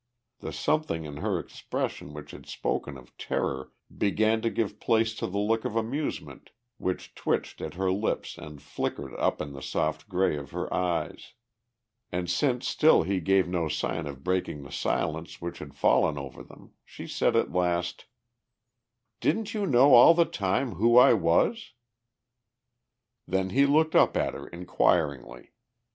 The something in her expression which had spoken of terror began to give place to the look of amusement which twitched at her lips and flickered up in the soft grey of her eyes. And since still he gave no sign of breaking the silence which had fallen over them, she said at last: "Didn't you know all the time who I was?" Then he looked up at her inquiringly.